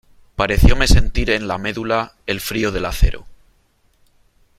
parecióme sentir en la medula el frío del acero :